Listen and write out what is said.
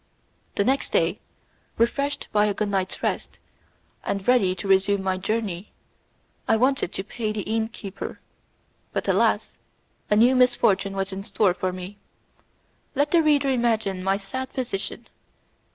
The next day, refreshed by a good night's rest, and ready to resume my journey, I wanted to pay the innkeeper, but, alas! a new misfortune was in store for me! Let the reader imagine my sad position!